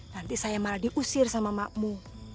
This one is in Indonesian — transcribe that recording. nanti saya malah diusir sama makmu